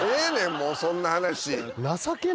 もうそんな話。